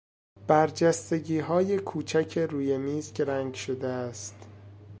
برجستگیهای کوچک روی میزی که رنگ شده است